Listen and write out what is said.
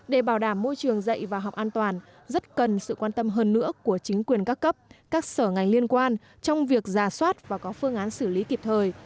để bảo đảm môi trường dạy và học an toàn rất cần sự quan tâm hơn nữa của chính quyền các cấp các sở ngành liên quan trong việc giả soát và có phương án xử lý kịp thời